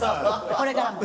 これからも。